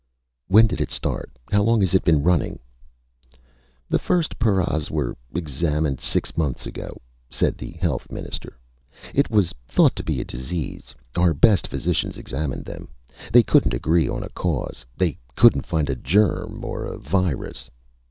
"When did it start? How long has it been running?" "The first paras were examined six months ago," said the Health Minister. "It was thought to be a disease. Our best physicians examined them. They couldn't agree on a cause, they couldn't find a germ or a virus...."